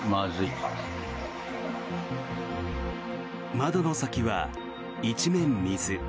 窓の先は一面、水。